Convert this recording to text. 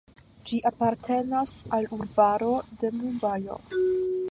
Ĝi apartenas al urbaro de Mumbajo.